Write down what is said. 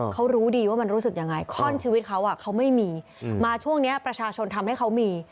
เขารู้ดีว่ามันรู้สึกยังไงข้อนชีวิตเขาเขาไม่มีมาช่วงนี้ประชาชนทำให้เขามี